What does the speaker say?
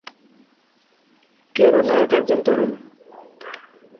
কেরু: নায়ক একজন তরুণ।